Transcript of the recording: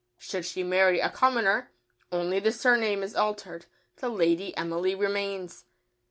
Should she marry a commoner only the surname is altered, the "Lady Emily" remains.